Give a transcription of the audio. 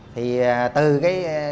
thì từ cái